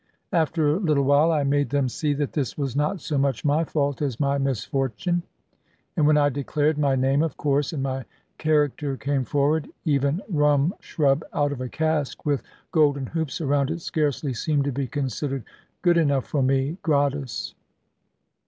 After a little while, I made them see that this was not so much my fault as my misfortune; and when I declared my name, of course, and my character came forward, even rum shrub out of a cask with golden hoops around it scarcely seemed to be considered good enough for me, gratis.